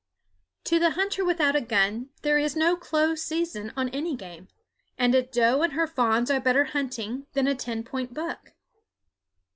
To the hunter without a gun there is no close season on any game, and a doe and her fawns are better hunting than a ten point buck.